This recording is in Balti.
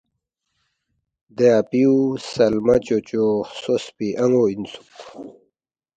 “ دے اپیُو سلمہ چوچو خسوسپی ان٘و اِنسُوک